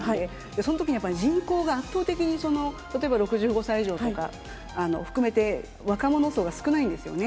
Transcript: そのときに人口が圧倒的に例えば６５歳以上とか含めて、若者層が少ないんですよね。